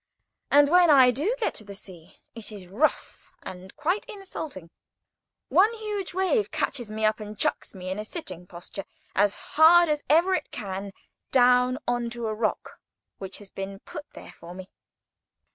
And when I do get to the sea, it is rough and quite insulting. One huge wave catches me up and chucks me in a sitting posture, as hard as ever it can, down on to a rock which has been put there for me.